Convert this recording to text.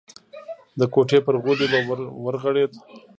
د کوټې پر غولي به ورغړېد.